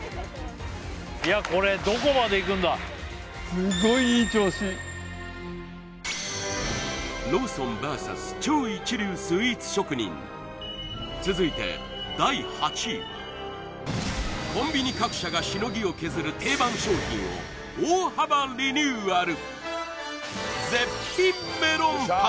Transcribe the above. いやこれローソンＶＳ超一流スイーツ職人続いて第８位はコンビニ各社がしのぎを削る定番商品を大幅リニューアル！